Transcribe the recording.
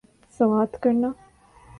سوات کرنا